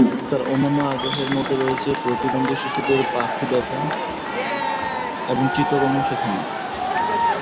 তার অন্যান্য আগ্রহের মধ্যে রয়েছে প্রতিবন্ধী শিশুদের পাখি দেখা এবং চিত্রকর্ম শেখানো।